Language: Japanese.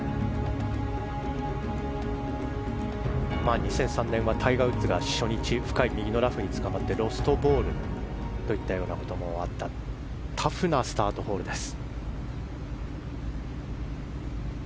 ２００３年はタイガー・ウッズが初日、右の深いラフにつかまってロストボールということもあったタフなスタートホールです。